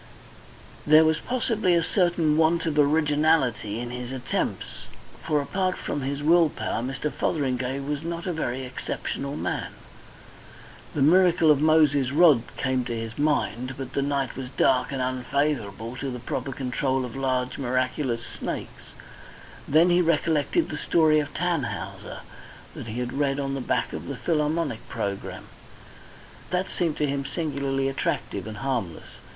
There was possibly a certain want of originality in his attempts, for, apart from his will power, Mr. Fotheringay was not a very exceptional man. The miracle of Moses' rod came to his mind, but the night was dark and unfavourable to the proper control of large miraculous snakes. Then he recollected the story of "Tannhäuser" that he had read on the back of the Philharmonic programme. That seemed to him singularly attractive and harmless.